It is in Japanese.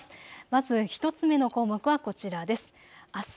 まず１つ目の項目はこちらです。